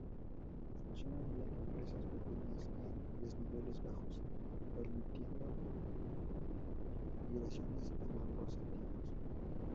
Funcionan bien en presas pequeñas y de desniveles bajos, permitiendo migraciones en ambos sentidos.